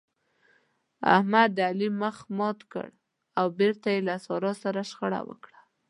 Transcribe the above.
احمد د علي مخ مات کړ او بېرته يې له سارا سره شخړه وکړه.